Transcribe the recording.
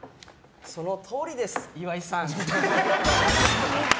そのとおりです、岩井さん！